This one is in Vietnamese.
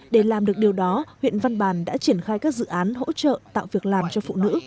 để làm được điều đó huyện văn bàn đã triển khai các dự án hỗ trợ tạo việc làm cho phụ nữ